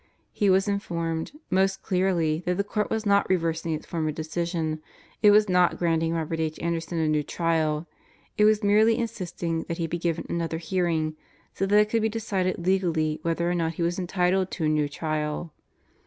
He was informed most clearly that the Court was not reversing its former decision; it was not granting Robert H. Anderson a new trial; it was merely insisting that he be given another hearing so that it could be decided legally whether or not he was entitled to a new trial.